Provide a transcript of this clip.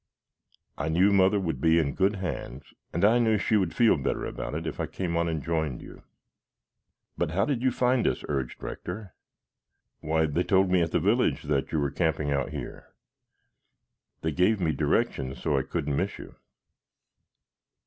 I knew Mother would be in good hands and I knew she would feel better about it if I came on and joined you." "But how did you find us?" urged Rector. "Why, they told me, at the village, that you were camping out here. They gave me directions so I couldn't miss you."